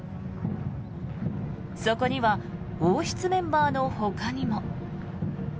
そこには王室メンバーのほかにも。